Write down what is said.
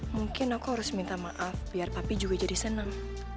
mungkin aku harus minta maaf biar papi juga jadi senang